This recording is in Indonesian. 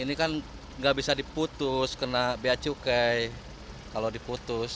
ini kan nggak bisa diputus kena bea cukai kalau diputus